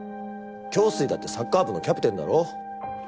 京水だってサッカー部のキャプテンだろ？